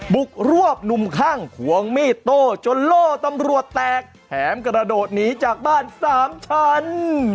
บุกรวบหนุ่มข้างควงมีดโต้จนโล่ตำรวจแตกแถมกระโดดหนีจากบ้านสามชั้น